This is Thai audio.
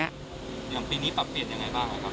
อย่างปีนี้ปรับเปลี่ยนยังไงบ้างครับ